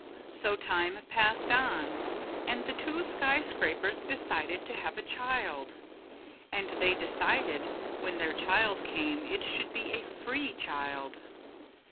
So time passed on. And the two skyscrapers decided to have a child. And they decided when their child came it should be a free child.